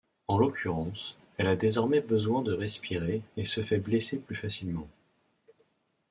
En l'occurrence, elle a désormais besoin de respirer et se fait blesser plus facilement.